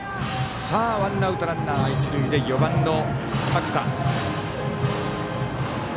ワンアウトランナー、一塁で４番の角田。